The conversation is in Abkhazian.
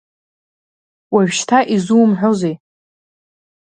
Уажәшьҭа изумҳәозеи…